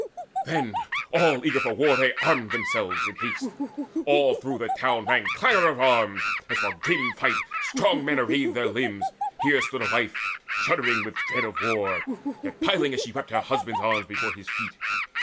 Then eager all for war they armed themselves In haste. All through the town rang clangour of arms As for grim fight strong men arrayed their limbs. Here stood a wife, shuddering with dread of war, Yet piling, as she wept, her husband's arms Before his feet.